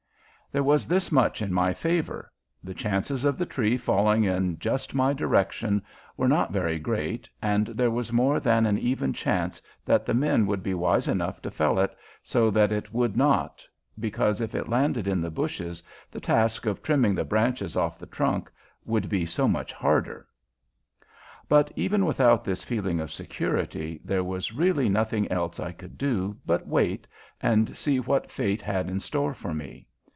There was this much in my favor: the chances of the tree falling in just my direction were not very great and there was more than an even chance that the men would be wise enough to fell it so that it would not, because if it landed in the bushes the task of trimming the branches off the trunk would be so much harder. But, even without this feeling of security, there was really nothing else I could do but wait and see what fate had in store for me.